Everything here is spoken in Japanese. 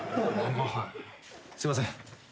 すいません。